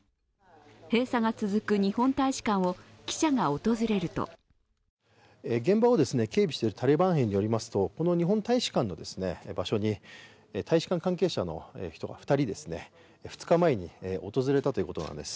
閉鎖が続く日本大使館を記者が訪れると現場を警備しているタリバン兵によりますとこの日本大使館の場所に大使館関係者の人が２人、２日前に訪れたということなんです。